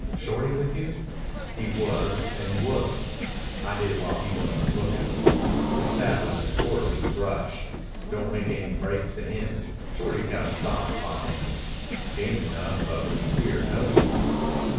"Shorty with you?" "He was, an' he wasn't. I did it while he wasn't lookin'. He was saddlin' his horse in the brush. Don't make any breaks to him. Shorty's got a soft spot in him. Game enough, but with queer notions.